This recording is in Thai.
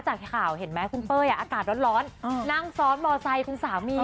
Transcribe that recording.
จากข่าวเห็นไหมคุณเป้ยอากาศร้อนนั่งซ้อนมอไซค์คุณสามี